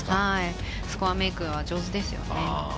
スコアメークは上手ですよね。